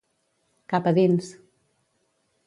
Cap a dins.